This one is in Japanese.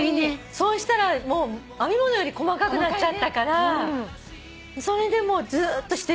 そしたらもう編み物より細かくなっちゃったからそれでもうずっとしてるんですよ。